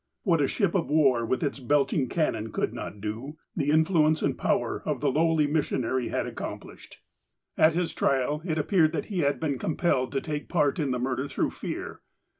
What a shij) of war, with its belching cannon, could not do, the influence and power of the lowly missionary had accomplished. At his trial, it appeared that he had been compelled to take part in the murder through fear.